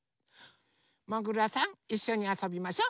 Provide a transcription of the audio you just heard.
もぐらさんいっしょにあそびましょ。